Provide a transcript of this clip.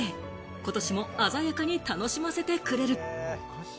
今年も鮮やかに楽しませてくれる。